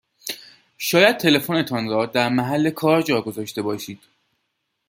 شاید تلفنتان را در محل کار جا گذاشته باشید